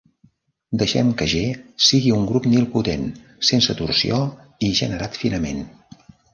Deixem que "G" sigui un grup nilpotent sense torsió i generat finament.